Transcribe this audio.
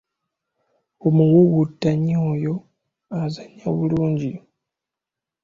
Omuwuwuttanyi oyo azannnya bulungi nnyo.